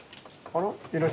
あら？